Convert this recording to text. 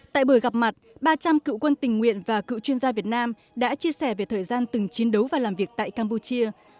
tại buổi gặp mặt ba trăm linh cựu quân tình nguyện và cựu chuyên gia việt nam đã chia sẻ về thời gian từng chiến đấu và làm việc tại campuchia